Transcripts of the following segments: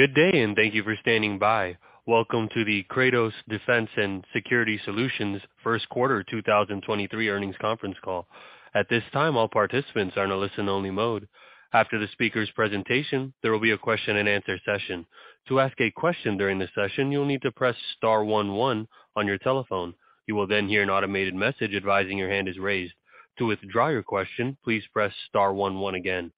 Good day, and thank you for standing by. Welcome to The Kratos Defense & Security Solutions First Quarter 2023 Earnings Conference Call. At this time, all participants are in a listen-only mode. After the speaker's presentation, there will be a question-and-answer session. To ask a question during the session, you'll need to press star one one on your telephone. You will then hear an automated message advising your hand is raised. To withdraw your question, please press star one one again.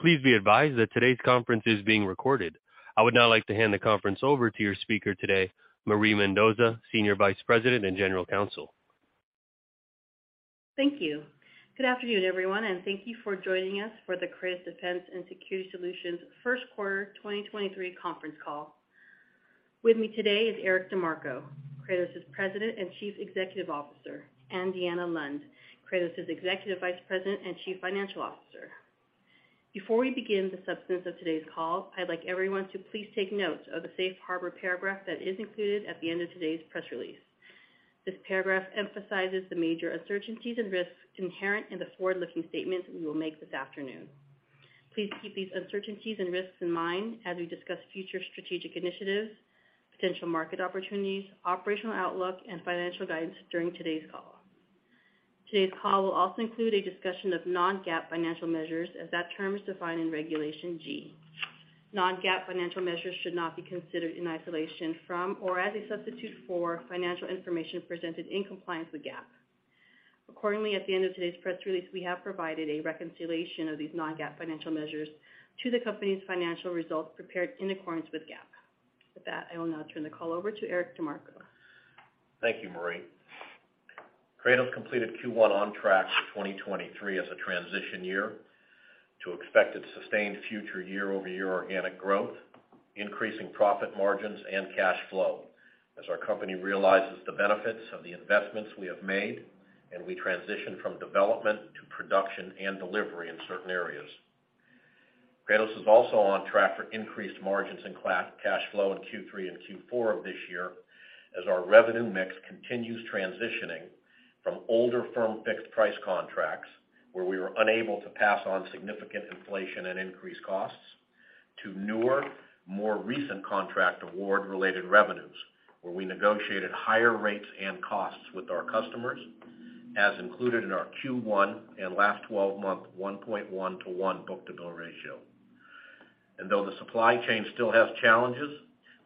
Please be advised that today's conference is being recorded. I would now like to hand the conference over to your speaker today, Marie Mendoza, Senior Vice President and General Counsel. Thank you. Good afternoon, everyone, and thank you for joining us for the Kratos Defense & Security Solutions first quarter 2023 conference call. With me today is Eric DeMarco, Kratos's President and Chief Executive Officer, and Deanna Lund, Kratos's Executive Vice President and Chief Financial Officer. Before we begin the substance of today's call, I'd like everyone to please take note of the safe harbor paragraph that is included at the end of today's press release. This paragraph emphasizes the major uncertainties and risks inherent in the forward-looking statements we will make this afternoon. Please keep these uncertainties and risks in mind as we discuss future strategic initiatives, potential market opportunities, operational outlook, and financial guidance during today's call. Today's call will also include a discussion of non-GAAP financial measures, as that term is defined in Regulation G. Non-GAAP financial measures should not be considered in isolation from or as a substitute for financial information presented in compliance with GAAP. Accordingly, at the end of today's press release, we have provided a reconciliation of these non-GAAP financial measures to the company's financial results prepared in accordance with GAAP. With that, I will now turn the call over to Eric DeMarco. Thank you, Marie. Kratos completed Q1 on track for 2023 as a transition year to expect its sustained future year-over-year organic growth, increasing profit margins and cash flow as our company realizes the benefits of the investments we have made and we transition from development to production and delivery in certain areas. Kratos is also on track for increased margins and cash flow in Q3 and Q4 of this year as our revenue mix continues transitioning from older firm fixed price contracts, where we were unable to pass on significant inflation and increased costs to newer, more recent contract award-related revenues, where we negotiated higher rates and costs with our customers, as included in our Q1 and last twelve-month 1.1 to 1 book-to-bill ratio. Though the supply chain still has challenges,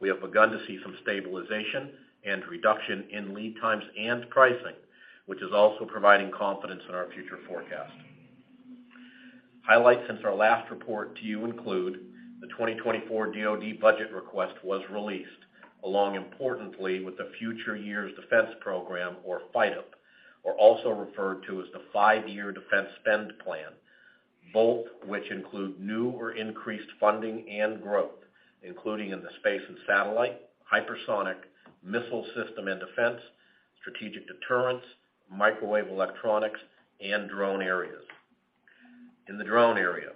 we have begun to see some stabilization and reduction in lead times and pricing, which is also providing confidence in our future forecast. Highlights since our last report to you include the 2024 DoD budget request was released along importantly with the Future Years Defense Program, or FYDP, or also referred to as the five-year defense spend plan, both which include new or increased funding and growth, including in the space of satellite, hypersonic, missile system and defense, strategic deterrence, microwave electronics, and drone areas. In the drone area,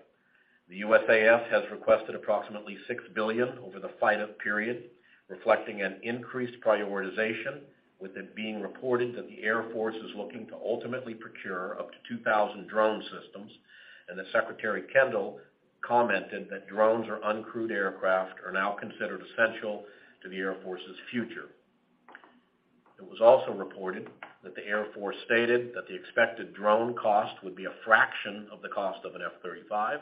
the USAF has requested approximately $6 billion over the FYDP period, reflecting an increased prioritization, with it being reported that the Air Force is looking to ultimately procure up to 2,000 drone systems. That Secretary Kendall commented that drones or uncrewed aircraft are now considered essential to the Air Force's future. It was also reported that the Air Force stated that the expected drone cost would be a fraction of the cost of an F-35,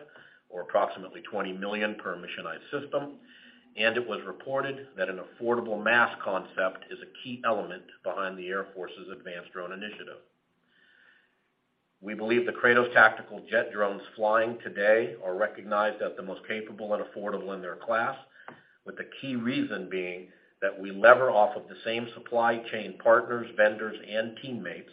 or approximately $20 million per missionized system. It was reported that an affordable mass concept is a key element behind the Air Force's advanced drone initiative. We believe the Kratos tactical jet drones flying today are recognized as the most capable and affordable in their class, with the key reason being that we lever off of the same supply chain partners, vendors, and teammates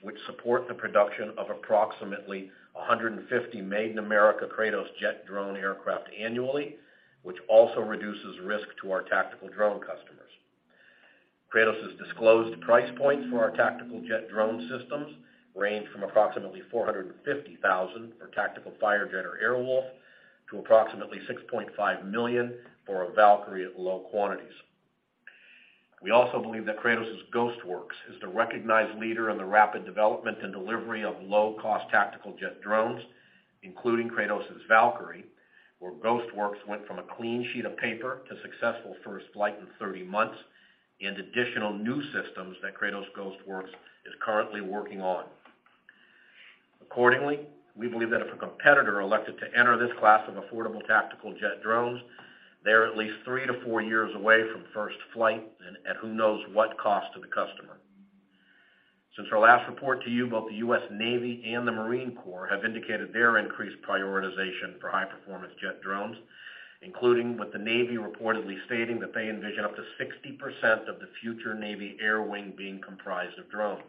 which support the production of approximately 150 made-in-America Kratos jet drone aircraft annually, which also reduces risk to our tactical drone customers. Kratos' disclosed price points for our tactical jet drone systems range from approximately $450,000 for Tactical Firejet or Air Wolf to approximately $6.5 million for a Valkyrie at low quantities. We also believe that Kratos' Ghost Works is the recognized leader in the rapid development and delivery of low-cost tactical jet drones, including Kratos' Valkyrie, where Ghost Works went from a clean sheet of paper to successful first flight in 30 months and additional new systems that Kratos Ghost Works is currently working on. Accordingly, we believe that if a competitor elected to enter this class of affordable tactical jet drones, they're at least three to four years away from first flight and who knows what cost to the customer. Since our last report to you, both the U.S. Navy and the Marine Corps have indicated their increased prioritization for high-performance jet drones, including with the Navy reportedly stating that they envision up to 60% of the future Navy air wing being comprised of drones.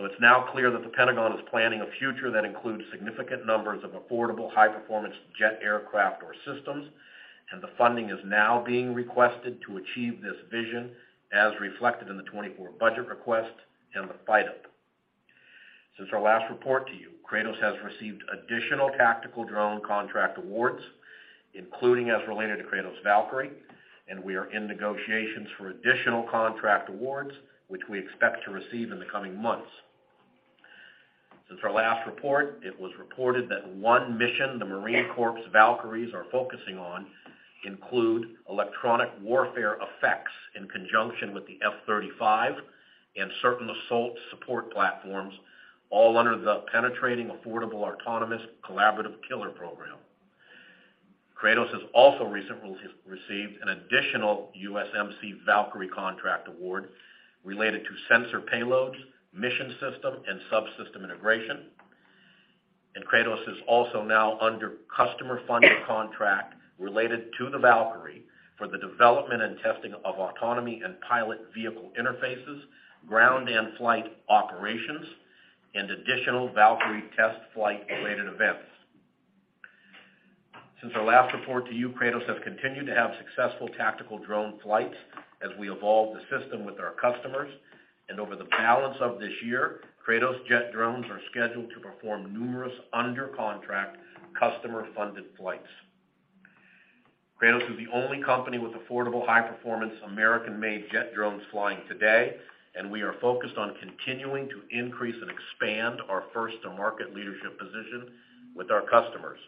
It's now clear that the Pentagon is planning a future that includes significant numbers of affordable high-performance jet aircraft or systems, and the funding is now being requested to achieve this vision, as reflected in the 24 budget request and the FYDP. Since our last report to you, Kratos has received additional tactical drone contract awards, including as related to Kratos Valkyrie, and we are in negotiations for additional contract awards, which we expect to receive in the coming months. Since our last report, it was reported that one mission the Marine Corps Valkyries are focusing on include electronic warfare effects in conjunction with the F-35 and certain assault support platforms, all under the Penetrating Affordable Autonomous Collaborative Killer program. Kratos has also recently received an additional USMC Valkyrie contract award related to sensor payloads, mission system, and subsystem integration. Kratos is also now under customer-funded contract related to the Valkyrie for the development and testing of autonomy and pilot vehicle interfaces, ground and flight operations, and additional Valkyrie test flight related events. Since our last report to you, Kratos has continued to have successful tactical drone flights as we evolve the system with our customers. Over the balance of this year, Kratos jet drones are scheduled to perform numerous under contract, customer-funded flights. Kratos is the only company with affordable, high-performance, American-made jet drones flying today, and we are focused on continuing to increase and expand our first to market leadership position with our customers.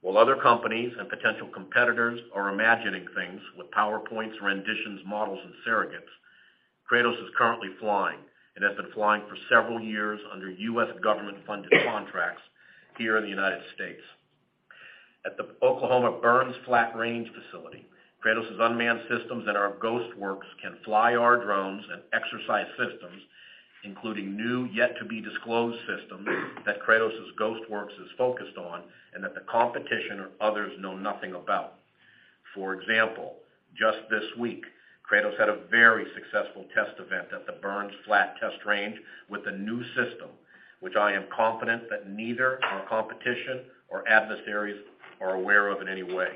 While other companies and potential competitors are imagining things with PowerPoints, renditions, models, and surrogates, Kratos is currently flying and has been flying for several years under U.S. government-funded contracts here in the United States. At the Oklahoma Burns Flat Range Facility, Kratos' unmanned systems and our Ghost Works can fly our drones and exercise systems, including new yet to be disclosed systems that Kratos' Ghost Works is focused on and that the competition or others know nothing about. Just this week, Kratos had a very successful test event at the Burns Flat Test Range with a new system which I am confident that neither our competition or adversaries are aware of in any way.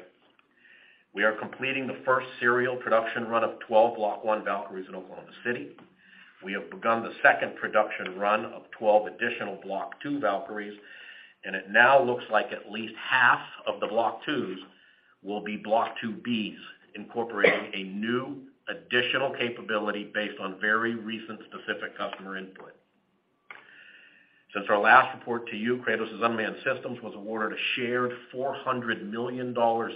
We are completing the first serial production run of 12 block one Valkyries in Oklahoma City. We have begun the second production run of 12 additional block two Valkyries, it now looks like at least half of the block twos will be block two Bs, incorporating a new additional capability based on very recent specific customer input. Since our last report to you, Kratos' Unmanned Systems was awarded a shared $400 million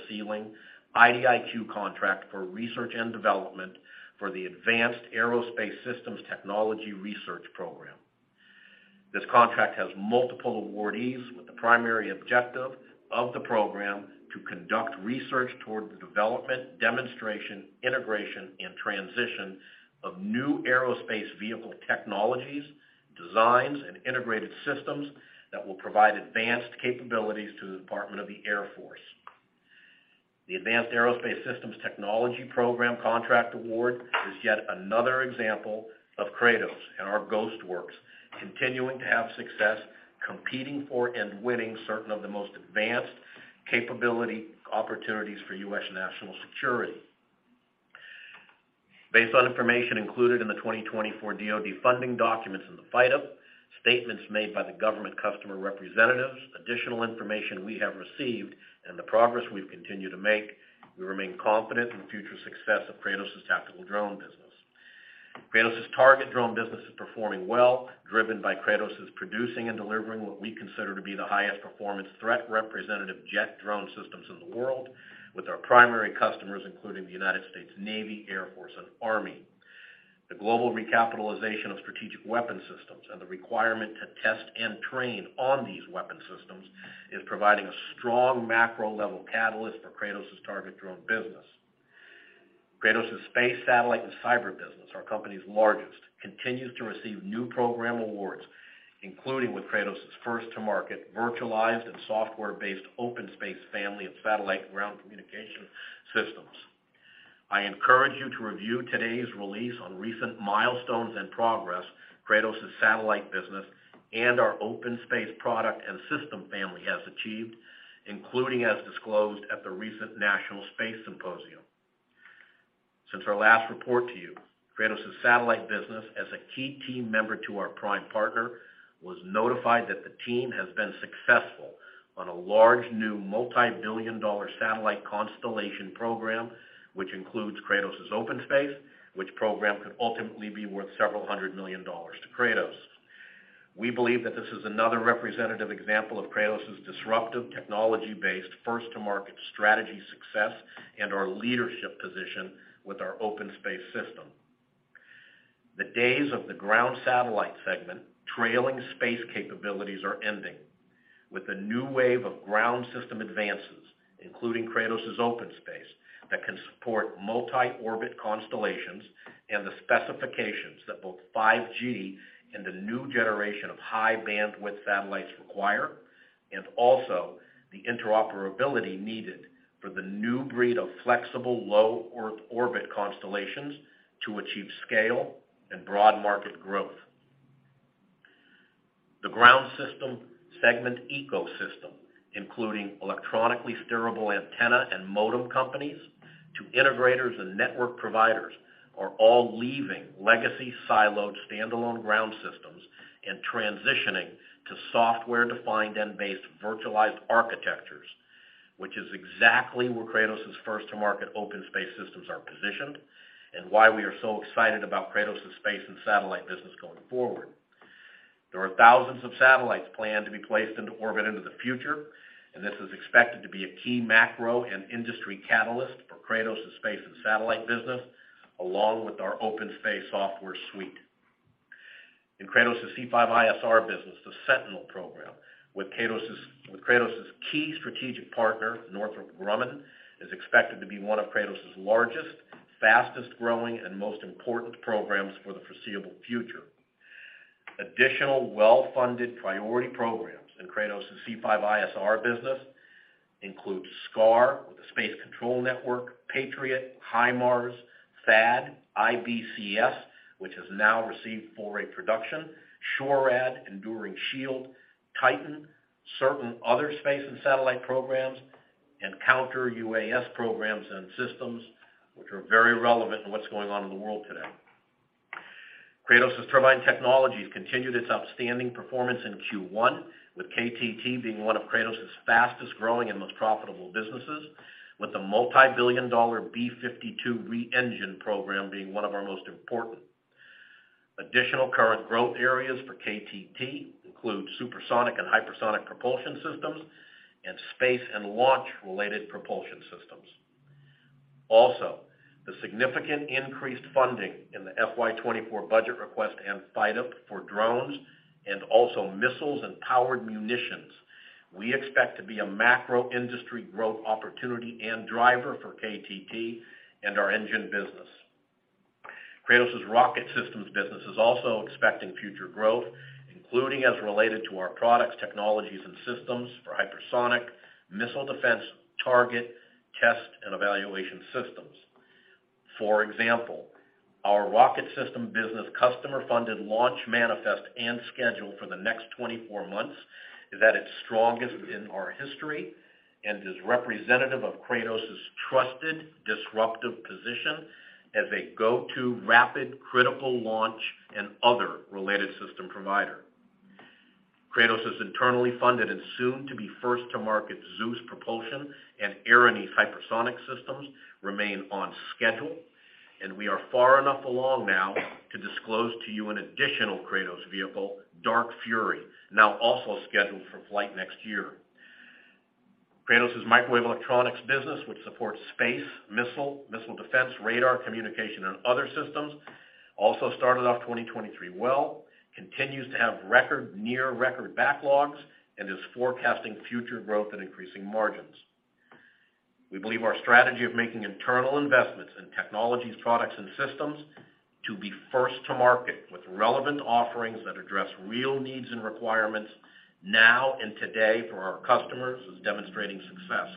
ceiling IDIQ contract for research and development for the Advanced Aerospace Systems Technology Research Program. This contract has multiple awardees with the primary objective of the program to conduct research toward the development, demonstration, integration, and transition of new aerospace vehicle technologies, designs, and integrated systems that will provide advanced capabilities to the Department of the Air Force. The Advanced Aerospace Systems Technology Program contract award is yet another example of Kratos and our Ghost Works continuing to have success competing for and winning certain of the most advanced capability opportunities for U.S. national security. Based on information included in the 2024 DoD funding documents in the FYDP, statements made by the government customer representatives, additional information we have received, and the progress we've continued to make, we remain confident in the future success of Kratos' tactical drone business. Kratos' target drone business is performing well, driven by Kratos' producing and delivering what we consider to be the highest performance threat representative jet drone systems in the world with our primary customers including the United States Navy, Air Force, and Army. The global recapitalization of strategic weapon systems and the requirement to test and train on these weapon systems is providing a strong macro level catalyst for Kratos' target drone business. Kratos' space, satellite, and cyber business, our company's largest, continues to receive new program awards, including with Kratos' first to market virtualized and software-based OpenSpace family of satellite ground communication systems. I encourage you to review today's release on recent milestones and progress Kratos' satellite business and our OpenSpace product and system family has achieved, including as disclosed at the recent National Space Symposium. Since our last report to you, Kratos' satellite business, as a key team member to our prime partner, was notified that the team has been successful on a large new multi-billion dollar satellite constellation program, which includes Kratos' OpenSpace, which program could ultimately be worth several hundred million dollars to Kratos. We believe that this is another representative example of Kratos' disruptive technology-based first to market strategy success and our leadership position with our OpenSpace system. The days of the ground satellite segment trailing space capabilities are ending with a new wave of ground system advances, including Kratos' OpenSpace, that can support multi-orbit constellations and the specifications that both 5G and the new generation of high bandwidth satellites require, and also the interoperability needed for the new breed of flexible low Earth orbit constellations to achieve scale and broad market growth. The ground system segment ecosystem, including electronically steerable antenna and modem companies to integrators and network providers, are all leaving legacy siloed standalone ground systems and transitioning to software-defined and based virtualized architectures. Exactly where Kratos' first to market OpenSpace systems are positioned and why we are so excited about Kratos' space and satellite business going forward. There are thousands of satellites planned to be placed into orbit into the future, and this is expected to be a key macro and industry catalyst for Kratos' space and satellite business, along with our OpenSpace software suite. In Kratos' C5ISR business, the Sentinel program, with Kratos' key strategic partner, Northrop Grumman, is expected to be one of Kratos' largest, fastest-growing, and most important programs for the foreseeable future. Additional well-funded priority programs in Kratos' C5ISR business include SCAR with the Space Control Network, Patriot, HIMARS, THAAD, IBCS, which has now received full rate production, SHORAD, Enduring Shield, TITAN, certain other space and satellite programs, and counter-UAS programs and systems, which are very relevant in what's going on in the world today. Kratos' turbine technologies continued its outstanding performance in Q1, with KTT being one of Kratos' fastest-growing and most profitable businesses, with the multibillion-dollar B-52 re-engine program being one of our most important. Additional current growth areas for KTT include supersonic and hypersonic propulsion systems and space and launch-related propulsion systems. The significant increased funding in the FY 24 budget request and FYDP for drones and also missiles and powered munitions, we expect to be a macro industry growth opportunity and driver for KTT and our engine business. Kratos' rocket systems business is also expecting future growth, including as related to our products, technologies, and systems for hypersonic, missile defense, target, test, and evaluation systems. For example, our rocket system business customer-funded launch manifest and schedule for the next 24 months is at its strongest in our history and is representative of Kratos' trusted, disruptive position as a go-to rapid critical launch and other related system provider. Kratos' internally funded and soon-to-be first-to-market Zeus propulsion and Erinyes hypersonic systems remain on schedule. We are far enough along now to disclose to you an additional Kratos vehicle, Dark Fury, now also scheduled for flight next year. Kratos' microwave electronics business, which supports space, missile defense, radar, communication, and other systems, also started off 2023 well, continues to have record, near-record backlogs, and is forecasting future growth and increasing margins. We believe our strategy of making internal investments in technologies, products, and systems to be first to market with relevant offerings that address real needs and requirements now and today for our customers is demonstrating success.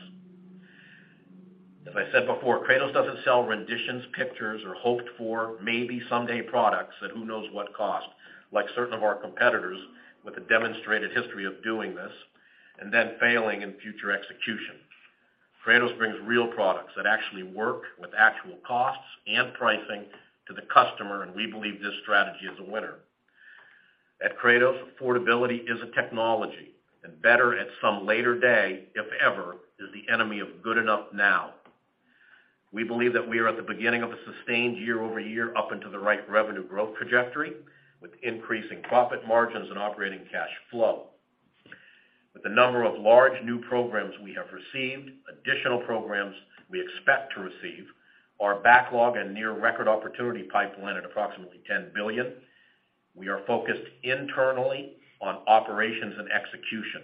As I said before, Kratos doesn't sell renditions, pictures, or hoped-for, maybe someday products at who knows what cost, like certain of our competitors with a demonstrated history of doing this, then failing in future execution. Kratos brings real products that actually work with actual costs and pricing to the customer. We believe this strategy is a winner. At Kratos, affordability is a technology. Better at some later day, if ever, is the enemy of good enough now. We believe that we are at the beginning of a sustained year-over-year up and to the right revenue growth trajectory, with increasing profit margins and operating cash flow. With the number of large new programs we have received, additional programs we expect to receive, our backlog and near-record opportunity pipeline at approximately $10 billion, we are focused internally on operations and execution.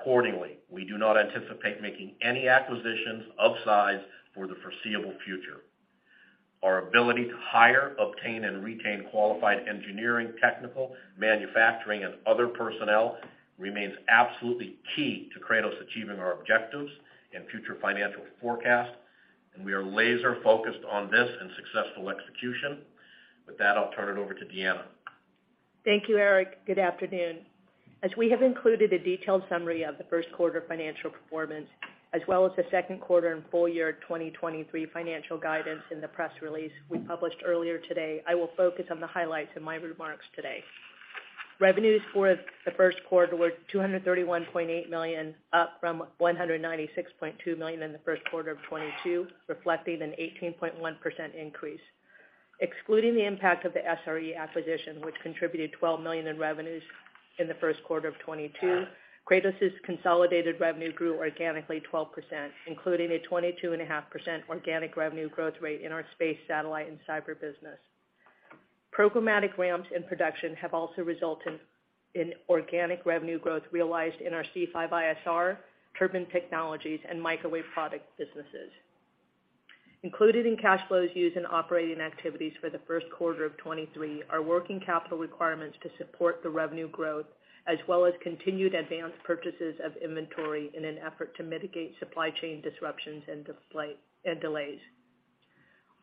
Accordingly, we do not anticipate making any acquisitions of size for the foreseeable future. Our ability to hire, obtain, and retain qualified engineering, technical, manufacturing, and other personnel remains absolutely key to Kratos achieving our objectives and future financial forecast. We are laser-focused on this and successful execution. With that, I'll turn it over to Deanna. Thank you, Eric. Good afternoon. As we have included a detailed summary of the first quarter financial performance, as well as the second quarter and full-year 2023 financial guidance in the press release we published earlier today, I will focus on the highlights in my remarks today. Revenues for the first quarter were $231.8 million, up from $196.2 million in the first quarter of 2022, reflecting an 18.1% increase. Excluding the impact of the SRE acquisition, which contributed $12 million in revenues in the first quarter of 2022, Kratos' consolidated revenue grew organically 12%, including a 22.5% organic revenue growth rate in our space, satellite, and cyber business. Programmatic ramps in production have also resulted in organic revenue growth realized in our C5ISR, Turbine Technologies, and microwave product businesses. Included in cash flows used in operating activities for the first quarter of 2023 are working capital requirements to support the revenue growth, as well as continued advanced purchases of inventory in an effort to mitigate supply chain disruptions and delays.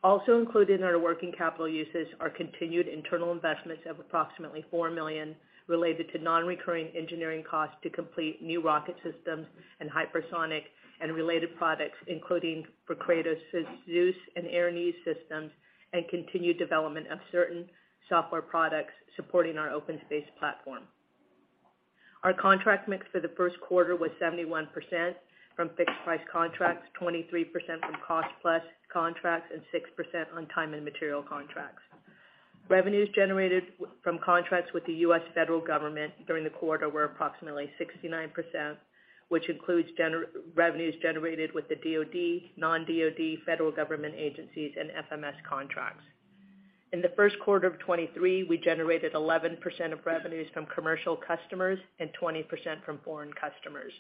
Also included in our working capital uses are continued internal investments of approximately $4 million related to non-recurring engineering costs to complete new rocket systems and hypersonic and related products, including for Kratos' Zeus and Erinyes systems, and continued development of certain software products supporting our OpenSpace platform. Our contract mix for the first quarter was 71% from fixed price contracts, 23% from cost plus contracts, and 6% on time and material contracts. Revenues generated from contracts with the U.S. Federal Government during the quarter were approximately 69%, which includes Revenues generated with the DoD, non-DoD, federal government agencies, and FMS contracts. In the first quarter of 2023, we generated 11% of revenues from commercial customers and 20% from foreign customers.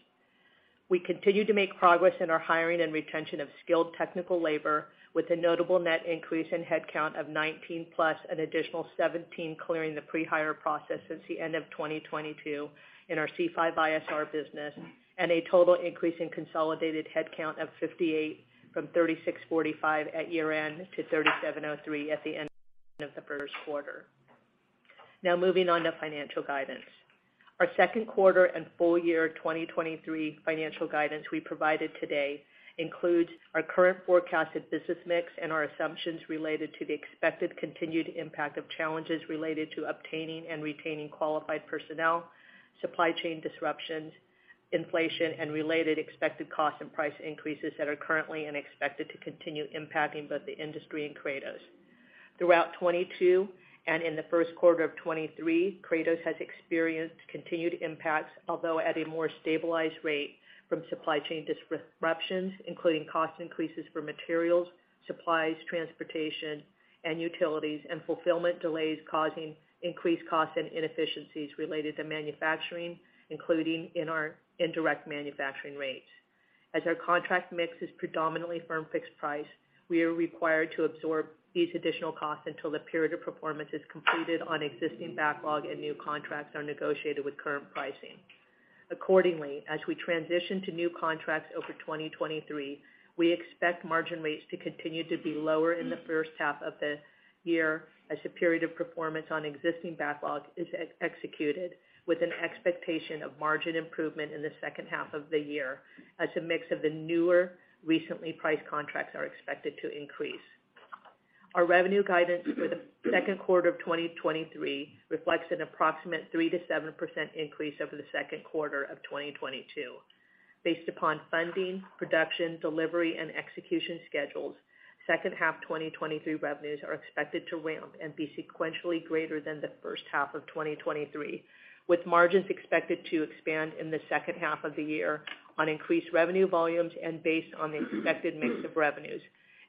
We continue to make progress in our hiring and retention of skilled technical labor, with a notable net increase in headcount of 19+, an additional 17 clearing the pre-hire process since the end of 2022 in our C5ISR business, and a total increase in consolidated headcount of 58 from 3,645 at year-end to 3,703 at the end of the first quarter. Moving on to financial guidance. Our second quarter and full year 2023 financial guidance we provided today includes our current forecasted business mix and our assumptions related to the expected continued impact of challenges related to obtaining and retaining qualified personnel, supply chain disruptions, inflation, and related expected cost and price increases that are currently and expected to continue impacting both the industry and Kratos. Throughout 2022 and in the first quarter of 2023, Kratos has experienced continued impacts, although at a more stabilized rate from supply chain disruptions, including cost increases for materials, supplies, transportation, and utilities, and fulfillment delays causing increased costs and inefficiencies related to manufacturing, including in our indirect manufacturing rates. As our contract mix is predominantly firm fixed price, we are required to absorb these additional costs until the period of performance is completed on existing backlog and new contracts are negotiated with current pricing. Accordingly, as we transition to new contracts over 2023, we expect margin rates to continue to be lower in the first half of the year as the period of performance on existing backlogs is executed, with an expectation of margin improvement in the second half of the year as a mix of the newer recently priced contracts are expected to increase. Our revenue guidance for the second quarter of 2023 reflects an approximate 3% to 7% increase over the second quarter of 2022. Based upon funding, production, delivery, and execution schedules, second half 2023 revenues are expected to ramp and be sequentially greater than the first half of 2023, with margins expected to expand in the second half of the year on increased revenue volumes and based on the expected mix of revenues,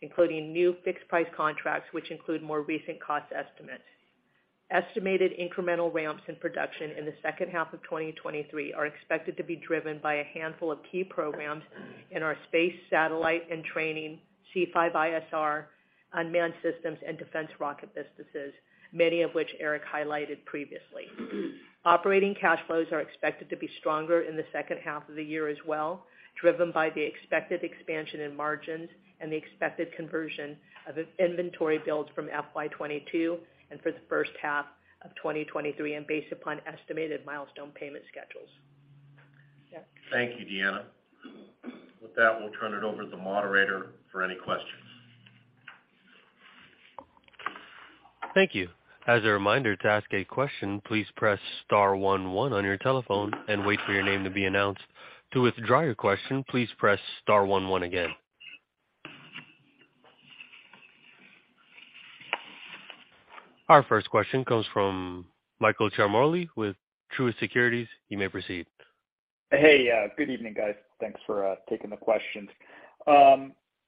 including new fixed-price contracts, which include more recent cost estimates. Estimated incremental ramps in production in the second half of 2023 are expected to be driven by a handful of key programs in our space satellite and training C5ISR, unmanned systems, and defense rocket businesses, many of which Eric highlighted previously. Operating cash flows are expected to be stronger in the second half of the year as well, driven by the expected expansion in margins and the expected conversion of inventory builds from FY 2022 and for the first half of 2023 and based upon estimated milestone payment schedules. Eric? Thank you, Deanna. With that, we'll turn it over to the moderator for any questions. Thank you. As a reminder to ask a question, please press star one one on your telephone and wait for your name to be announced. To withdraw your question, please press star one one again. Our first question comes from Michael Ciarmoli with Truist Securities. You may proceed. Hey, good evening, guys. Thanks for taking the questions.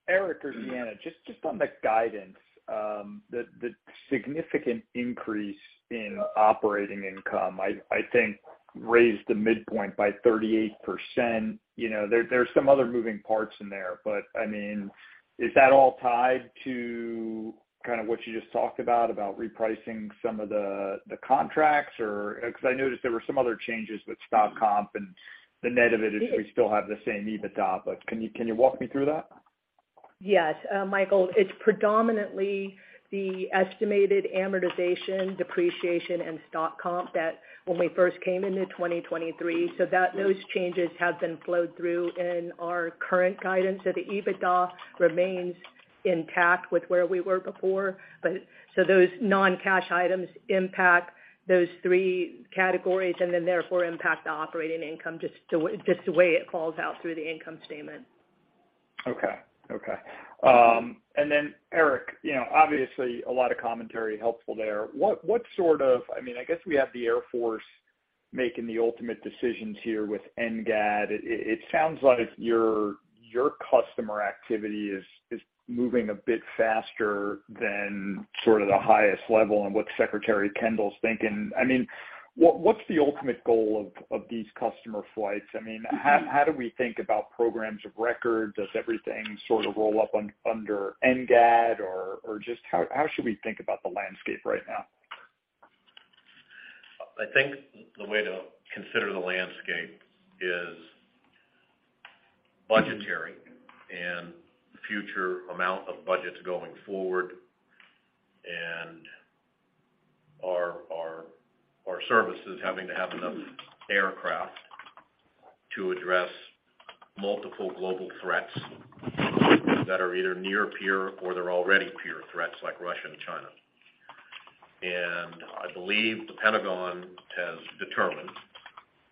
Eric or Deanna, just on the guidance, the significant increase in operating income, I think raised the midpoint by 38%. You know, there are some other moving parts in there, but, I mean, is that all tied to kind of what you just talked about repricing some of the contracts? Or... Cause I noticed there were some other changes with stock comp and the net of it is we still have the same EBITDA, but can you walk me through that? Yes. Michael, it's predominantly the estimated amortization, depreciation, and stock comp that when we first came into 2023. That those changes have been flowed through in our current guidance. The EBITDA remains intact with where we were before. Those non-cash items impact those three categories and then therefore impact the operating income just the way it calls out through the income statement. Okay. Okay. Then Eric, you know, obviously a lot of commentary helpful there. I mean, I guess we have the Air Force making the ultimate decisions here with NGAD. It sounds like your customer activity is moving a bit faster than sort of the highest level and what Secretary Kendall's thinking. I mean, what's the ultimate goal of these customer flights? I mean, how do we think about programs of record? Does everything sort of roll up under NGAD? Or just how should we think about the landscape right now? I think the way to consider the landscape is budgetary and future amount of budgets going forward and our services having to have enough aircraft to address multiple global threats that are either near peer or they're already peer threats like Russia and China. I believe the Pentagon has determined,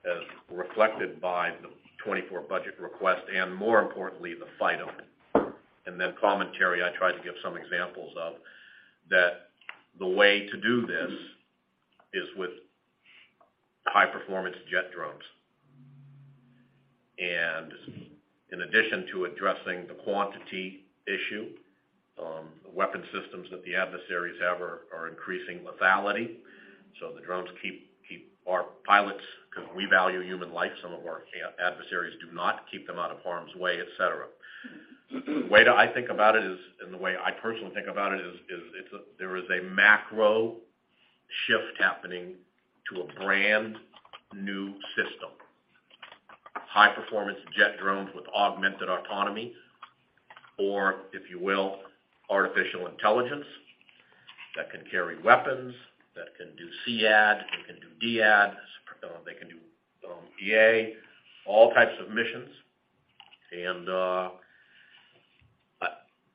as reflected by the 24 budget request and more importantly, the fight of, and then commentary I tried to give some examples of, that the way to do this is with high-performance jet drones. In addition to addressing the quantity issue, the weapon systems that the adversaries have are increasing lethality. The drones keep our pilots, because we value human life, some of our adversaries do not keep them out of harm's way, et cetera. The way that I think about it is, and the way I personally think about it is, there is a macro shift happening to a brand-new system. High-performance jet drones with augmented autonomy, or if you will, artificial intelligence that can carry weapons, that can do SEAD, they can do DEAD, they can do DA, all types of missions.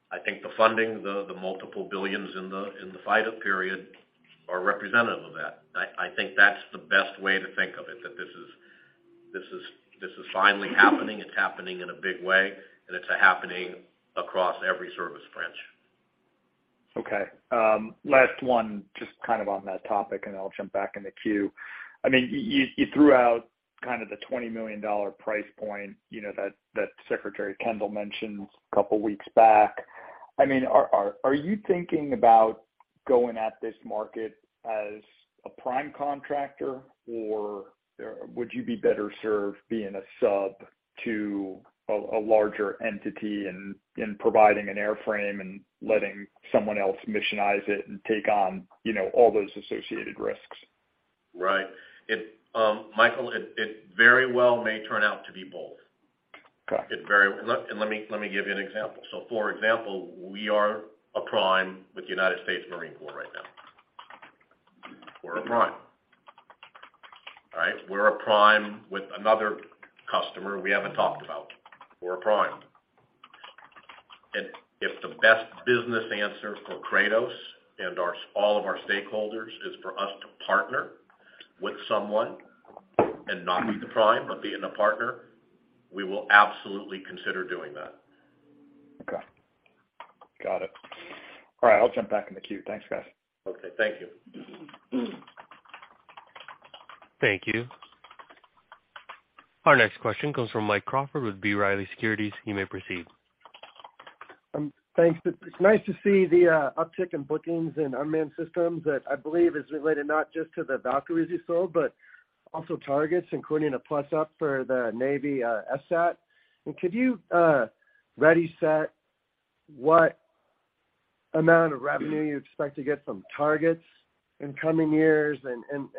I think the funding, the multiple billions in the FYDP are representative of that. I think that's the best way to think of it, that this is finally happening. It's happening in a big way, and it's happening across every service branch. Okay. Last one, just kind of on that topic, and I'll jump back in the queue. I mean, you threw out kind of the $20 million price point, you know, that Secretary Kendall mentioned a couple weeks back. I mean, are you thinking about going at this market as a prime contractor, or would you be better served being a sub to a larger entity in providing an airframe and letting someone else missionize it and take on, you know, all those associated risks? Right. It... Michael, it very well may turn out to be both. Got it. Let me give you an example. For example, we are a prime with the United States Marine Corps right now. We're a prime. All right? We're a prime with another customer we haven't talked about. We're a prime. If the best business answer for Kratos and all of our stakeholders is for us to partner with someone and not be the prime, but be in a partner, we will absolutely consider doing that. Okay. Got it. All right, I'll jump back in the queue. Thanks, guys. Okay, thank you. Thank you. Our next question comes from Mike Crawford with B. Riley Securities. You may proceed. Thanks. It's nice to see the uptick in bookings in unmanned systems that I believe is related not just to the Valkyries you sold, but also Targets, including a plus-up for the Navy SSAT. Could you ready set what amount of revenue you expect to get from Targets in coming years?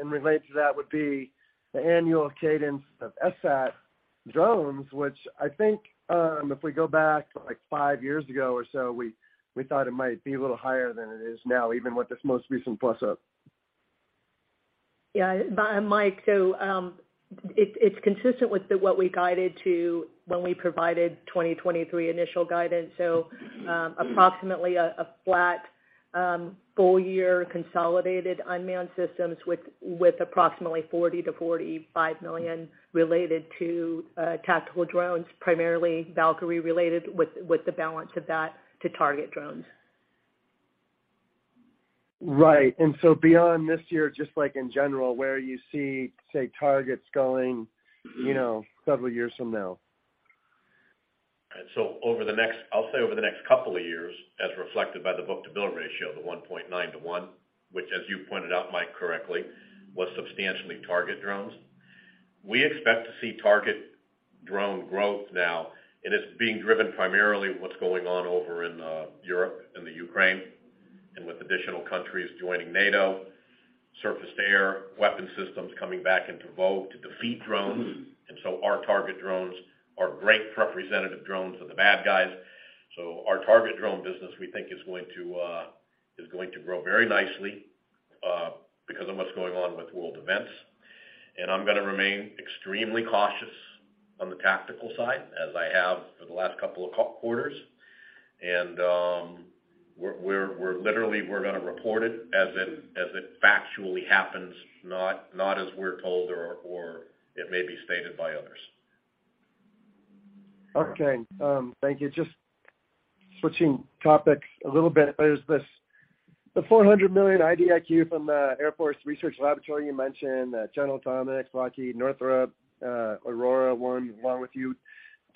Related to that would be the annual cadence of SSAT drones, which I think, if we go back like five years ago or so, we thought it might be a little higher than it is now, even with this most recent plus-up. Mike, it's consistent with what we guided to when we provided 2023 initial guidance. Approximately a flat full year consolidated unmanned systems with approximately $40 million-$45 million related to tactical drones, primarily Valkyrie related, with the balance of that to Target drones. Right. Beyond this year, just like in general, where you see, say, targets going, you know, several years from now. Over the next two years, as reflected by the book to bill ratio, the 1.9 to 1.0, which as you pointed out, Mike, correctly, was substantially Target drones. We expect to see Target drone growth now. It is being driven primarily what's going on over in Europe and the Ukraine, and with additional countries joining NATO, surface air weapon systems coming back into vogue to defeat drones. Our Target drones are great representative drones of the bad guys. Our Target drone business, we think is going to grow very nicely because of what's going on with world events. I'm going to remain extremely cautious on the tactical side, as I have for the last couple of quarters. We're literally we're gonna report it as it factually happens, not as we're told or it may be stated by others. Okay. Thank you. Just switching topics a little bit. There's this, the $400 million IDIQ from the Air Force Research Laboratory you mentioned, General Atomics, Lockheed, Northrop, Aurora won along with you.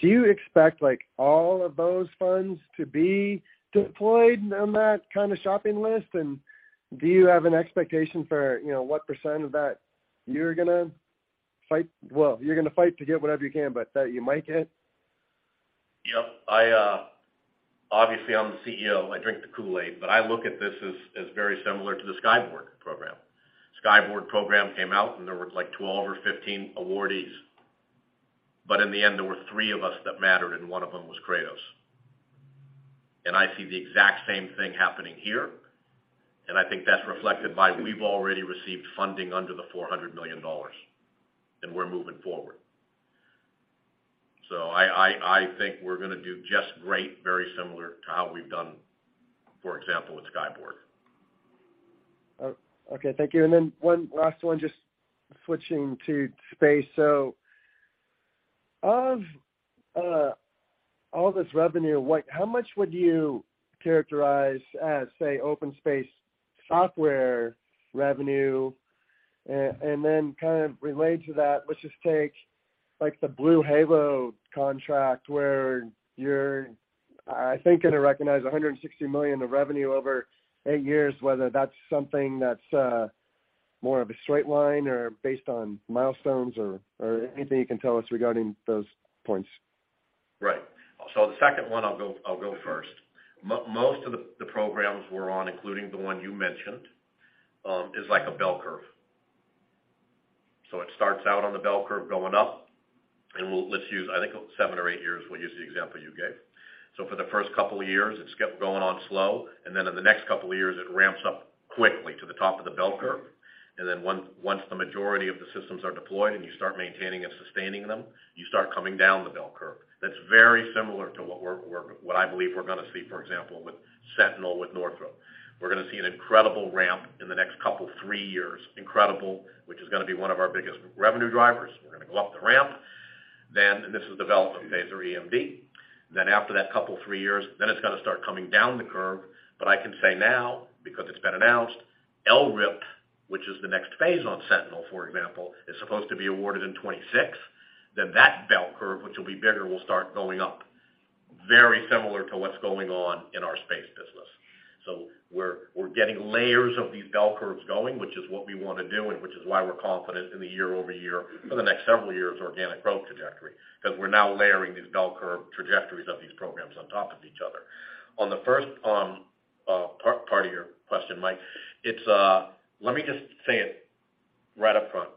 Do you expect, like, all of those funds to be deployed on that kind of shopping list? Do you have an expectation for, you know, what percent of that you're gonna fight to get whatever you can, but that you might get? Yep. I obviously I'm the CEO, I drink the Kool-Aid, but I look at this as very similar to the Skyborg program. Skyborg program came out, and there were like 12 or 15 awardees. In the end, there were three of us that mattered, and one of them was Kratos. I see the exact same thing happening here, and I think that's reflected by we've already received funding under the $400 million, and we're moving forward. I think we're gonna do just great, very similar to how we've done, for example, with Skyborg. Okay, thank you. One last one, just switching to space. Of all this revenue, how much would you characterize as, say, OpenSpace software revenue? Kind of related to that, let's just take, like, the BlueHalo contract where you're, I think, gonna recognize $160 million of revenue over eight years, whether that's something that's more of a straight line or based on milestones or anything you can tell us regarding those points. Right. The second one I'll go first. Most of the programs we're on, including the one you mentioned, is like a bell curve. It starts out on the bell curve going up, and let's use, I think, seven or eight years, we'll use the example you gave. For the first couple of years, it kept going on slow, in the next couple of years, it ramps up quickly to the top of the bell curve. Once the majority of the systems are deployed and you start maintaining and sustaining them, you start coming down the bell curve. That's very similar to what we're what I believe we're gonna see, for example, with Sentinel, with Northrop. We're gonna see an incredible ramp in the next couple, three years. Incredible, which is gonna be one of our biggest revenue drivers. We're gonna go up the ramp. This is the development phase or EMD. After that couple, three years, then it's gonna start coming down the curve. I can say now, because it's been announced, LRIP, which is the next phase on Sentinel, for example, is supposed to be awarded in 2026. That bell curve, which will be bigger, will start going up, very similar to what's going on in our space business. We're getting layers of these bell curves going, which is what we wanna do and which is why we're confident in the year-over-year for the next several years organic growth trajectory, 'cause we're now layering these bell curve trajectories of these programs on top of each other. On the first part of your question, Mike, it's let me just say it right up front.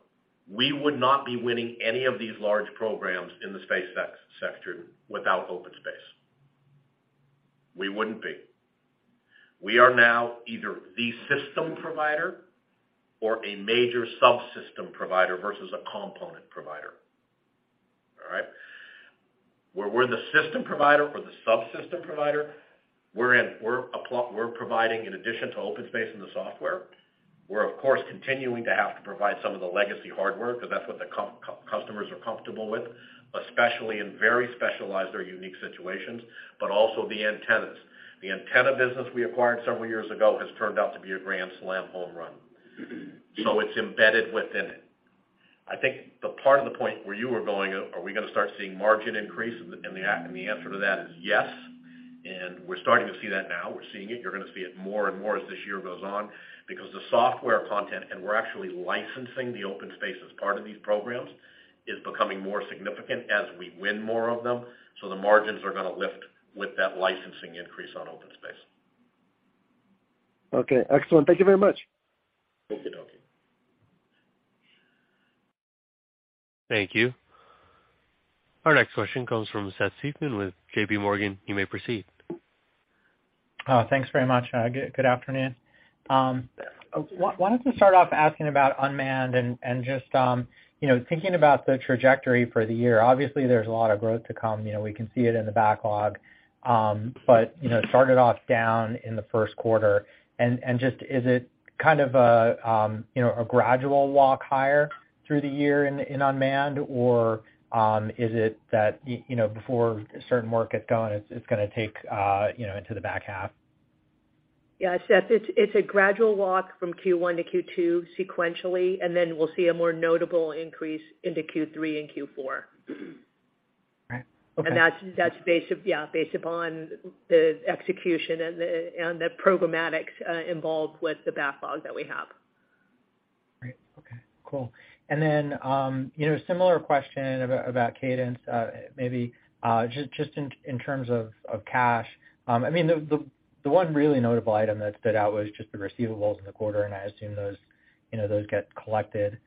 We would not be winning any of these large programs in the space sector without OpenSpace. We wouldn't be. We are now either the system provider or a major subsystem provider versus a component provider. All right? Where we're the system provider or the subsystem provider, we're providing in addition to OpenSpace and the software. We're of course, continuing to have to provide some of the legacy hardware because that's what the customers are comfortable with, especially in very specialized or unique situations, but also the antennas. The antenna business we acquired several years ago has turned out to be a grand slam home run. It's embedded within it. I think the part of the point where you were going, are we going to start seeing margin increase? The answer to that is yes. We're starting to see that now. We're seeing it. You're going to see it more and more as this year goes on because the software content, and we're actually licensing the OpenSpace as part of these programs, is becoming more significant as we win more of them. The margins are going to lift with that licensing increase on OpenSpace. Okay. Excellent. Thank you very much. Okey-dokey. Thank you. Our next question comes from Seth Seifman with JPMorgan. You may proceed. Thanks very much. Good afternoon. Why don't we start off asking about unmanned and just, you know, thinking about the trajectory for the year, obviously, there's a lot of growth to come. You know, we can see it in the backlog. You know, it started off down in the first quarter. Just is it kind of a, you know, a gradual walk higher through the year in unmanned? Is it that, you know, before certain work gets done, it's gonna take, you know, into the back half? Yeah, Seth, it's a gradual walk from Q1 to Q2 sequentially, and then we'll see a more notable increase into Q3 and Q4. Right. Okay. That's based, yeah, based upon the execution and the programmatics involved with the backlog that we have. Great. Okay. Cool. You know, similar question about cadence, maybe, just in terms of cash. I mean, the, the one really notable item that stood out was just the receivables in the quarter, and I assume those, you know, those get collected,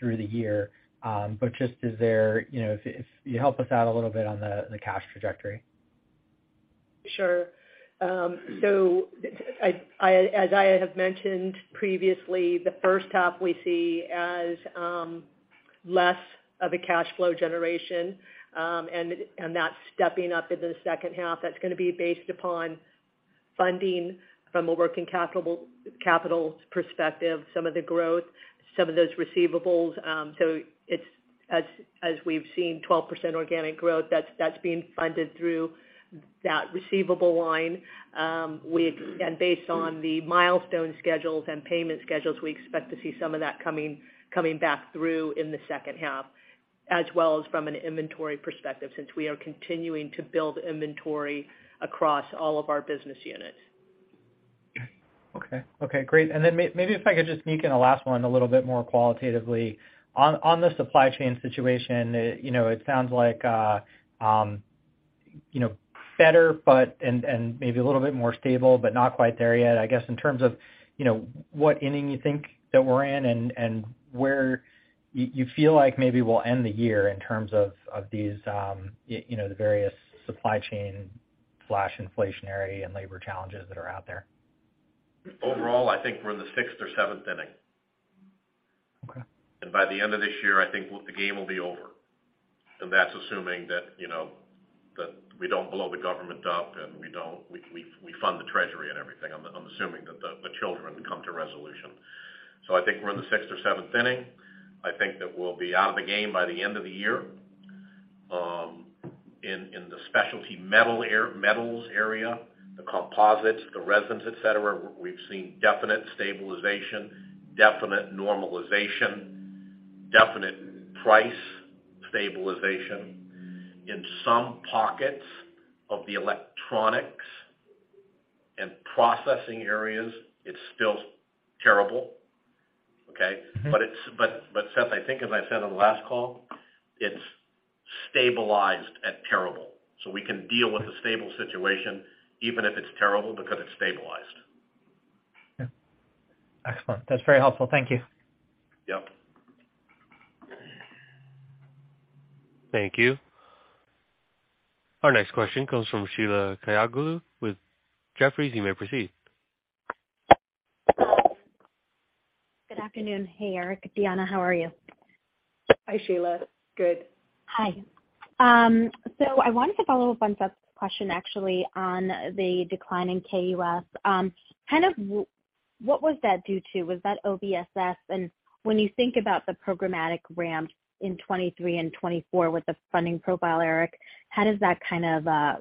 through the year. Just is there, you know, if you help us out a little bit on the cash trajectory. Sure. I, as I have mentioned previously, the first half we see as less of a cash flow generation, and that stepping up into the second half, that's going to be based upon funding from a working capital perspective, some of the growth, some of those receivables. It's as we've seen 12% organic growth, that's being funded through that receivable line. Based on the milestone schedules and payment schedules, we expect to see some of that coming back through in the second half, as well as from an inventory perspective, since we are continuing to build inventory across all of our business units. Okay. Okay, great. Maybe if I could just sneak in a last one a little bit more qualitatively. On the supply chain situation, you know, it sounds like, you know, better, but and maybe a little bit more stable, but not quite there yet. I guess in terms of, you know, what inning you think that we're in and where you feel like maybe we'll end the year in terms of these, you know, the various supply chain/inflationary and labor challenges that are out there? Overall, I think we're in the sixth or seventh inning. Okay. By the end of this year, I think the game will be over. That's assuming that, you know, that we don't blow the government up, and we don't fund the treasury and everything. I'm assuming that the children come to resolution. I think we're in the sixth or seventh inning. I think that we'll be out of the game by the end of the year. In the specialty metals area, the composites, the resins, et cetera, we've seen definite stabilization, definite normalization, definite price stabilization. In some pockets of the electronics and processing areas, it's still terrible. Okay? Mm-hmm. Seth, I think as I said on the last call, it's stabilized at terrible, so we can deal with a stable situation even if it's terrible because it's stabilized. Yeah. Excellent. That's very helpful. Thank you. Yep. Thank you. Our next question comes from Sheila Kahyaoglu with Jefferies. You may proceed. Good afternoon. Hey, Eric, Deanna, how are you? Hi, Sheila. Good. Hi. I wanted to follow up on Seth's question actually on the decline in KUS. Kind of what was that due to? Was that OBSS? When you think about the programmatic ramp in 2023 and 2024 with the funding profile, Eric, how does that kind of,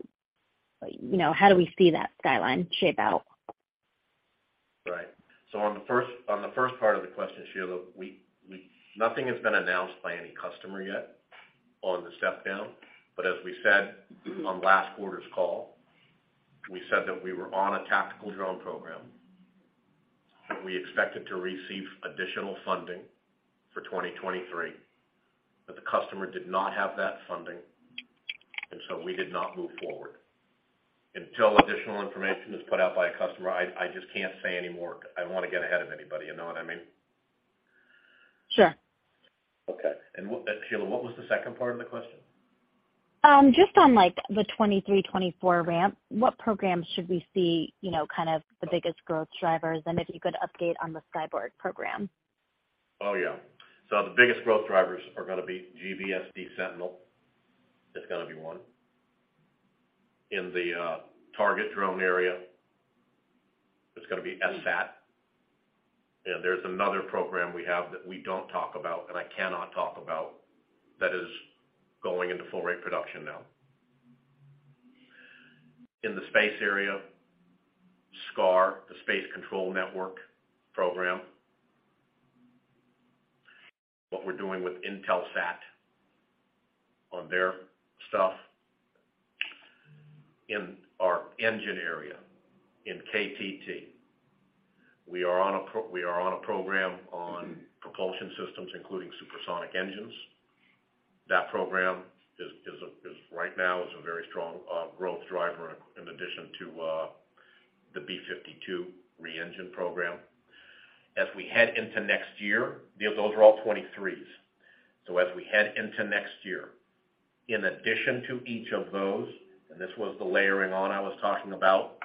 you know, how do we see that skyline shape out? Right. On the first part of the question, Sheila, nothing has been announced by any customer yet on the step down. As we said on last quarter's call, we said that we were on a tactical drone program. We expected to receive additional funding for 2023, but the customer did not have that funding, and so we did not move forward. Until additional information is put out by a customer, I just can't say any more. I don't wanna get ahead of anybody. You know what I mean? Sure. Okay. Sheila, what was the second part of the question? Just on, like, the 2023, 2024 ramp, what programs should we see, you know, kind of the biggest growth drivers? If you could update on the Skyborg program. Oh, yeah. The biggest growth drivers are gonna be GBSD Sentinel. That's gonna be one. In the target drone area, it's gonna be FSAT. There's another program we have that we don't talk about, and I cannot talk about, that is going into full rate production now. In the space area, SCAR, the Space Control Network program. What we're doing with Intelsat on their stuff. In our engine area, in KTT, we are on a program on propulsion systems, including supersonic engines. That program is right now is a very strong growth driver in addition to the B-52 re-engine program. As we head into next year, those are all 23s. As we head into next year, in addition to each of those, and this was the layering on I was talking about,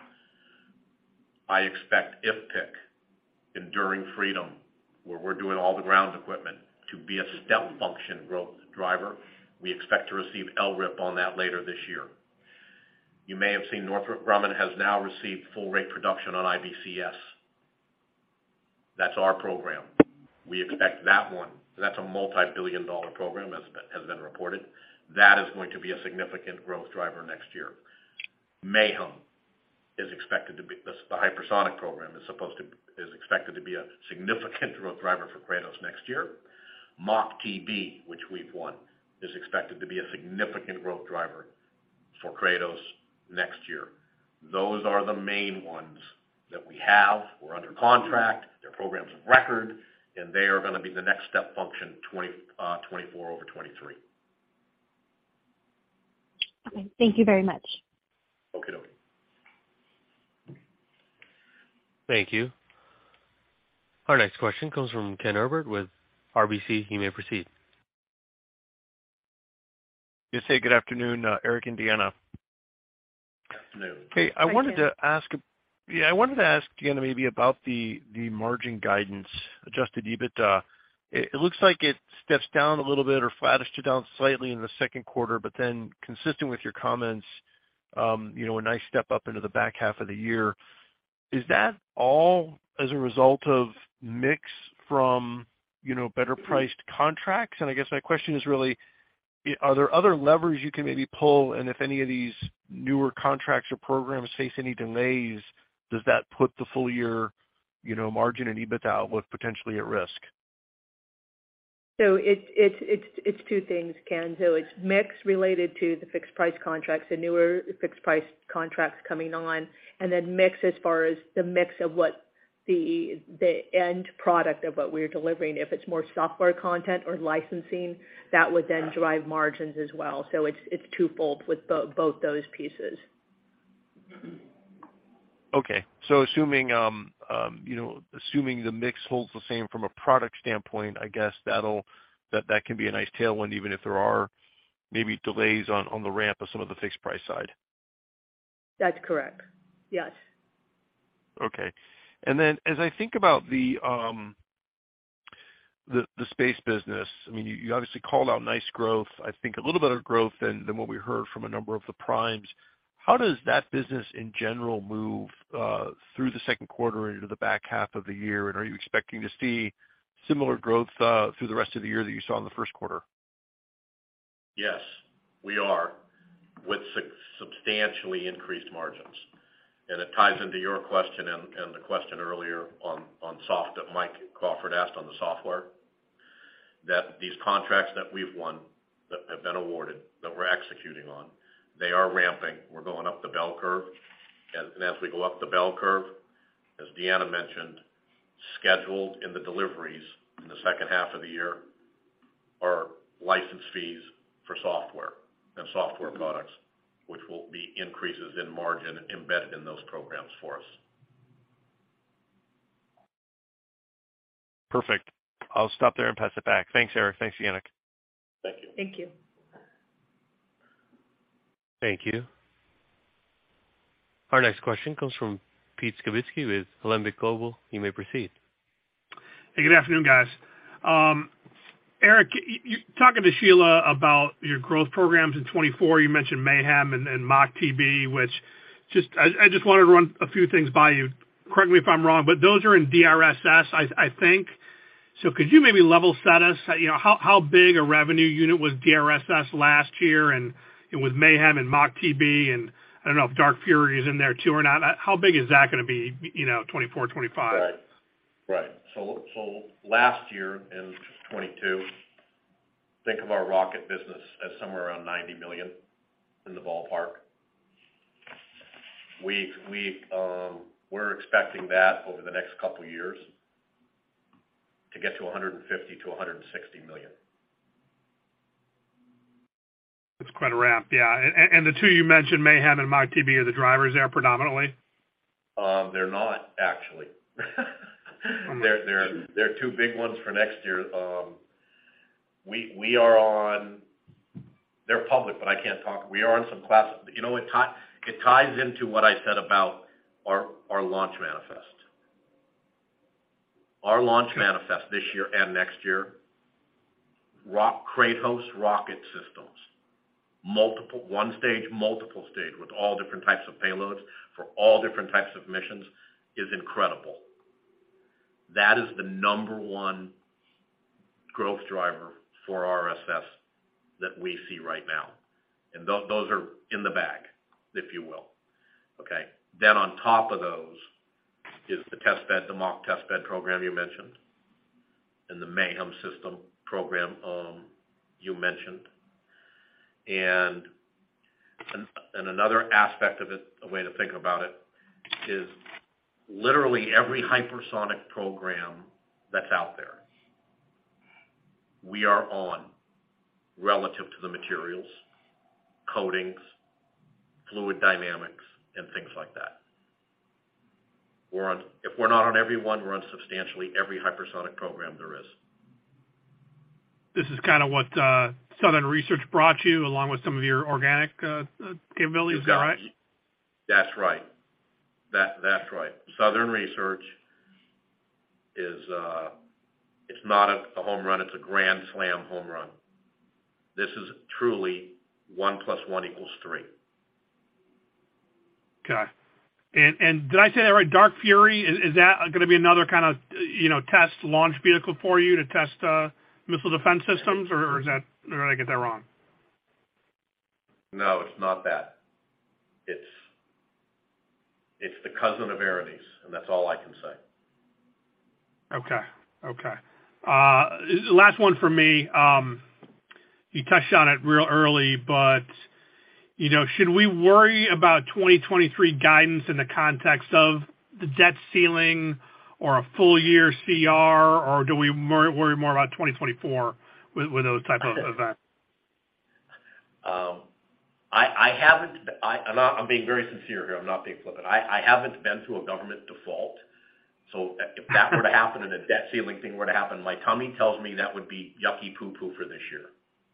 I expect IFPC, Enduring Freedom, where we're doing all the ground equipment to be a step function growth driver. We expect to receive LRIP on that later this year. You may have seen Northrop Grumman has now received full rate production on IBCS. That's our program. We expect that one, that's a multi-billion dollar program, as been reported. That is going to be a significant growth driver next year. Mayhem is expected to be a significant growth driver for Kratos next year. MACH-TB, which we've won, is expected to be a significant growth driver for Kratos next year. Those are the main ones that we have. We're under contract. They're programs of record, and they are gonna be the next step function 2024 over 2023. Thank you very much. Okey-dokey. Thank you. Our next question comes from Ken Herbert with RBC. You may proceed. Yes. Hey, good afternoon, Eric and Deanna. Afternoon. Hi, Ken. Hey, I wanted to ask, Deanna, maybe about the margin guidance, adjusted EBITDA. It looks like it steps down a little bit or flattish it down slightly in the second quarter, but then consistent with your comments, you know, a nice step up into the back half of the year. Is that all as a result of mix from, you know, better priced contracts? I guess my question is really, are there other levers you can maybe pull? If any of these newer contracts or programs face any delays, does that put the full year, you know, margin and EBITDA outlook potentially at risk? It's two things, Ken. It's mix related to the fixed price contracts, the newer fixed price contracts coming on, and then mix as far as the mix of what the end product of what we're delivering. If it's more software content or licensing, that would then drive margins as well. It's twofold with both those pieces. Okay. assuming, you know, assuming the mix holds the same from a product standpoint, I guess that can be a nice tailwind even if there are maybe delays on the ramp of some of the fixed price side. That's correct. Yes. Okay. Then as I think about the space business, I mean, you obviously called out nice growth, I think a little better growth than what we heard from a number of the primes. How does that business in general move through the second quarter into the back half of the year? Are you expecting to see similar growth through the rest of the year that you saw in the first quarter? Yes, we are, with substantially increased margins. It ties into your question and the question earlier on soft that Mike Crawford asked on the software, that these contracts that we've won, that have been awarded, that we're executing on, they are ramping. We're going up the bell curve. As we go up the bell curve, as Deanna mentioned, scheduled in the deliveries in the second half of the year are license fees for software and software products, which will be increases in margin embedded in those programs for us. Perfect. I'll stop there and pass it back. Thanks, Eric. Thanks, Deanna. Thank you. Thank you. Thank you. Our next question comes from Pete Skibitski with Alembic Global. You may proceed. Good afternoon, guys. Eric, talking to Sheila about your growth programs in 2024, you mentioned Mayhem and MACH-TB, which just I just wanted to run a few things by you. Correct me if I'm wrong, but those are in DRSS, I think. Could you maybe level set us? You know, how big a revenue unit was DRSS last year and with Mayhem and MACH-TB, and I don't know if Dark Fury is in there too or not, how big is that gonna be, you know, 2024, 2025? Right. Right. Last year in 2022, think of our rocket business as somewhere around $90 million in the ballpark. We're expecting that over the next couple years to get to $150 million-$160 million. That's quite a ramp, yeah. The two you mentioned, mayhem and MACH-TB, are the drivers there predominantly? They're not actually. They're two big ones for next year. We are on some. You know, it ties into what I said about our launch manifest. Our launch manifest this year and next year, Kratos rocket systems, multiple one stage, multiple stage with all different types of payloads for all different types of missions is incredible. That is the number onA growth driver for RSS that we see right now. Those are in the back, if you will. Okay? On top of those is the test bed, the Mach test bed program you mentioned, and the Mayhem system program you mentioned. another aspect of it, a way to think about it is literally every hypersonic program that's out there we are on relative to the materials, coatings, fluid dynamics, and things like that. If we're not on every one, we're on substantially every hypersonic program there is. This is kind of what, Southern Research brought you along with some of your organic capabilities, is that right? That's right. That's right. Southern Research is, it's not a home run, it's a grand slam home run. This is truly one plus one equals three. Okay. Did I say that right? Dark Fury, is that gonna be another kind of, you know, test launch vehicle for you to test missile defense systems? Is that... Did I get that wrong? No, it's not that. It's the cousin of, and that's all I can say. Okay. Okay. Last one for me. You touched on it real early, you know, should we worry about 2023 guidance in the context of the debt ceiling or a full year CR, or do we worry more about 2024 with those type of events? I haven't. I'm being very sincere here, I'm not being flippant. I haven't been through a government default, so if that were to happen and a debt ceiling thing were to happen, my tummy tells me that would be yucky poo-poo for this year.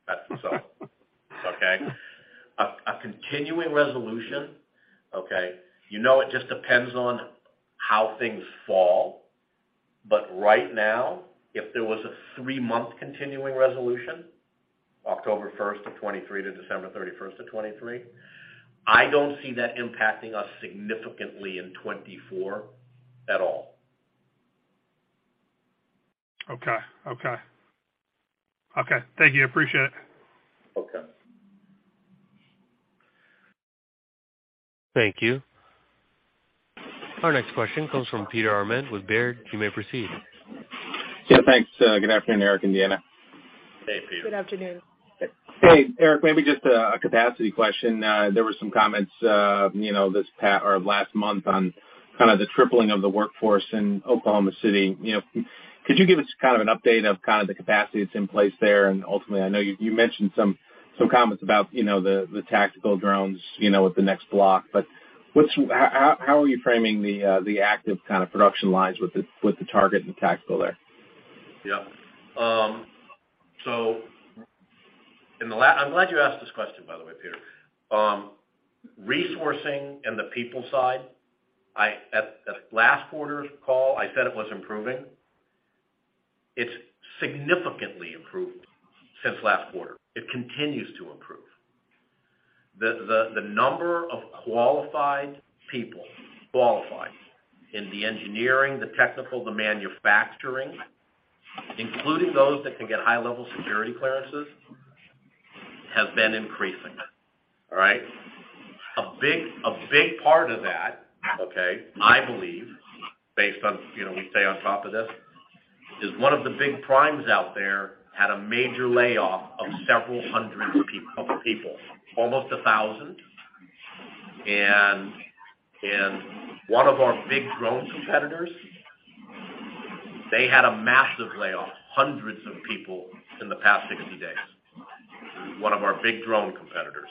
That's what I'm saying. Okay? A continuing resolution, okay, you know, it just depends on how things fall. Right now, if there was a three-month continuing resolution, October 1st, 2023 to December 31st, 2023, I don't see that impacting us significantly in 2024 at all. Okay. Okay. Okay. Thank you. Appreciate it. Okay. Thank you. Our next question comes from Peter Arment with Baird. You may proceed. Yeah, thanks. good afternoon, Eric and Deanna. Hey, Peter. Good afternoon. Hey, Eric, maybe just a capacity question. There were some comments, you know, this or last month on kind of the tripling of the workforce in Oklahoma City. You know, could you give us kind of an update of kind of the capacity that's in place there? Ultimately, I know you mentioned some comments about, you know, the tactical drones, you know, with the next block. How are you framing the active kind of production lines with the target and the tactical there? Yep. So, I'm glad you asked this question, by the way, Peter. Resourcing and the people side, at last quarter's call, I said it was improving. It's significantly improved since last quarter. It continues to improve. The number of qualified people, qualified in the engineering, the technical, the manufacturing, including those that can get high-level security clearances, has been increasing. All right? A big, a big part of that, okay, I believe, based on, you know, we stay on top of this, is one of the big primes out there had a major layoff of several hundred people, almost 1,000. One of our big drone competitors, they had a massive layoff, hundreds of people in the past 60 days. One of our big drone competitors,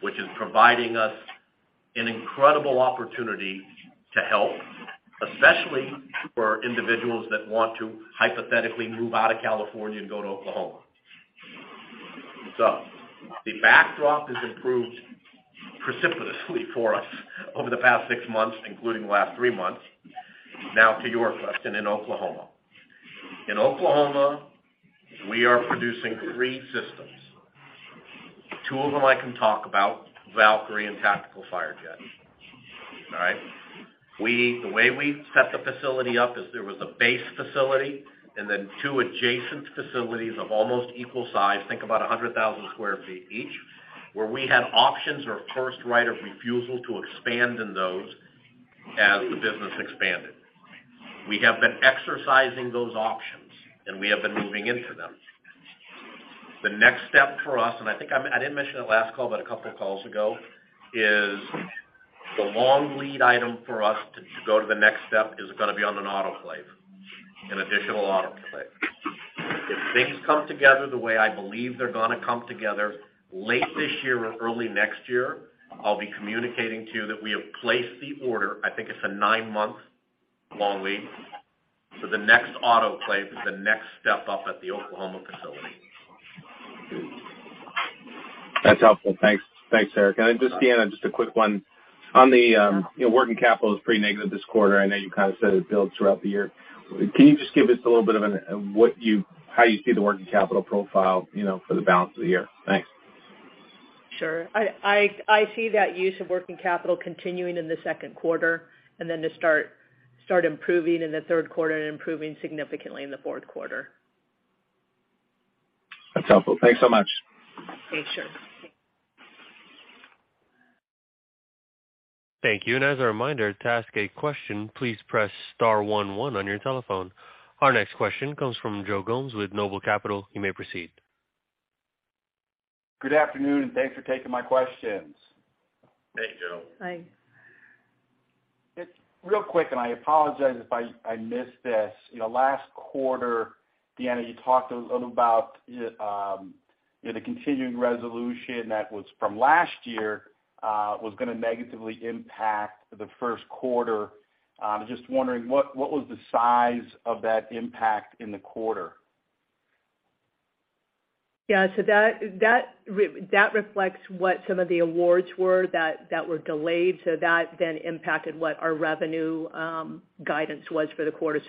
which is providing us an incredible opportunity to help, especially for individuals that want to hypothetically move out of California and go to Oklahoma. The backdrop has improved precipitously for us over the past six months, including the last three months. Now to your question in Oklahoma. In Oklahoma, we are producing three systems. two of them I can talk about, Valkyrie and Tactical Firejet. All right? The way we set the facility up is there was a base facility and then two adjacent facilities of almost equal size, think about 100,000 square feet each, where we had options or first right of refusal to expand in those as the business expanded. We have been exercising those options, and we have been moving into them. The next step for us, and I think I didn't mention it last call, but a couple of calls ago, is the long lead item for us to go to the next step is gonna be on an autoclave, an additional autoclave. If things come together the way I believe they're gonna come together, late this year or early next year, I'll be communicating to you that we have placed the order. I think it's a nine-month long lead. The next autoclave is the next step up at the Oklahoma facility. That's helpful. Thanks. Thanks, Eric. Just, Deanna, just a quick one. On the, you know, working capital is pretty negative this quarter. I know you kind of said it builds throughout the year. Can you just give us a little bit of what you, how you see the working capital profile, you know, for the balance of the year? Thanks. Sure. I see that use of working capital continuing in the second quarter and then to start improving in the third quarter and improving significantly in the fourth quarter. That's helpful. Thanks so much. Thanks, sure. Thank you. As a reminder, to ask a question, please press star one one on your telephone. Our next question comes from Joe Gomes with Noble Capital. You may proceed. Good afternoon, thanks for taking my questions. Hey, Joe. Hi. Just real quick. I apologize if I missed this. You know, last quarter, Deanna, you talked a little about, you know, the continuing resolution that was from last year, was gonna negatively impact the first quarter. Just wondering what was the size of that impact in the quarter? Yeah. That reflects what some of the awards were that were delayed. That then impacted what our revenue guidance was for the quarter.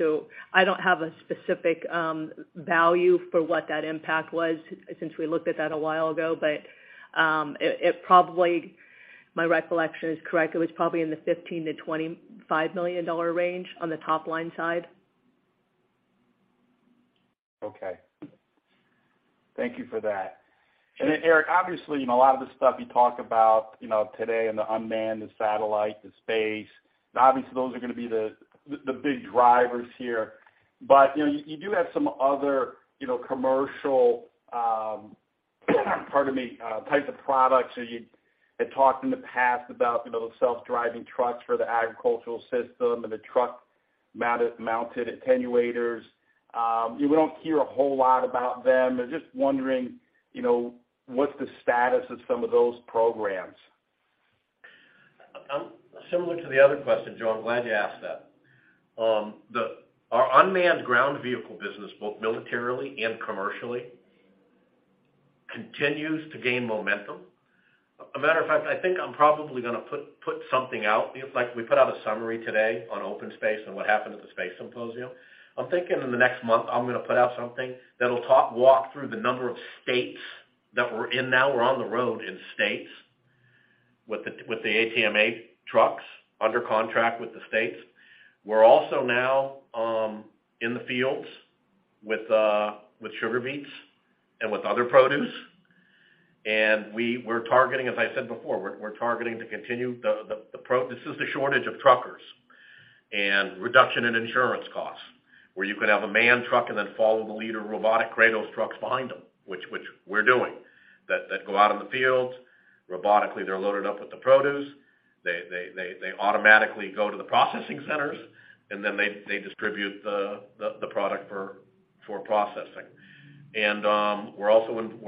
I don't have a specific value for what that impact was since we looked at that a while ago. It probably, if my recollection is correct, it was probably in the $15 million-$25 million range on the top-line side. Okay. Thank you for that. Eric, obviously, a lot of the stuff you talk about today in the unmanned, the satellite, the space, obviously those are gonna be the big drivers here. You do have some other, commercial, pardon me, types of products that you had talked in the past about, those self-driving trucks for the agricultural system and the truck mounted attenuators. We don't hear a whole lot about them. I'm just wondering, what's the status of some of those programs? Similar to the other question, Joe, I'm glad you asked that. Our unmanned ground vehicle business, both militarily and commercially, continues to gain momentum. A matter of fact, I think I'm probably gonna put something out. It's like we put out a summary today on OpenSpace and what happened at the Space Symposium. I'm thinking in the next month, I'm gonna put out something that'll talk, walk through the number of states that we're in now. We're on the road in states with the ATMA trucks under contract with the states. We're also now in the fields with sugar beets and with other produce. We're targeting, as I said before, we're targeting to continue the pro... This is the shortage of truckers and reduction in insurance costs, where you can have a manned truck and then follow the leader robotic Kratos trucks behind them, which we're doing. They go out in the fields. Robotically, they're loaded up with the produce. They automatically go to the processing centers, and then they distribute the product for processing. We're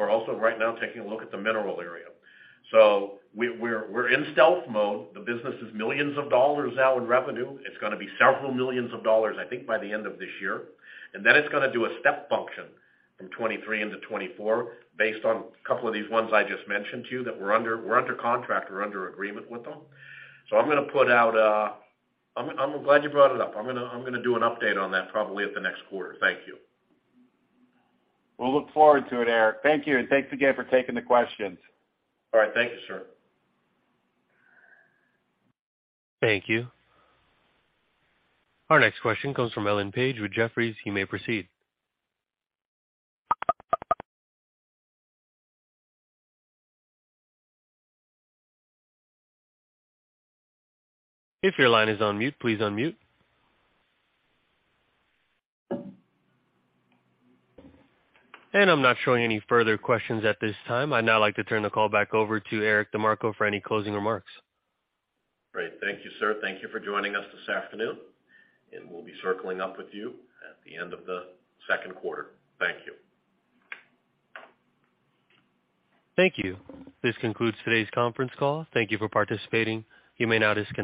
also right now taking a look at the mineral area. We're in stealth mode. The business is millions of dollars out in revenue. It's gonna be several millions of dollars, I think, by the end of this year. It's gonna do a step function from 2023 into 2024 based on a couple of these ones I just mentioned to you that we're under contract or under agreement with them. I'm gonna put out, I'm glad you brought it up. I'm gonna do an update on that probably at the next quarter. Thank you. We'll look forward to it, Eric. Thank you. Thanks again for taking the questions. All right. Thank you, sir. Thank you. Our next question comes from Ellen Page with Jefferies. You may proceed. If your line is on mute, please unmute. I'm not showing any further questions at this time. I'd now like to turn the call back over to Eric DeMarco for any closing remarks. Great. Thank you, sir. Thank you for joining us this afternoon. We'll be circling up with you at the end of the second quarter. Thank you. Thank you. This concludes today's conference call. Thank you for participating. You may now disconnect.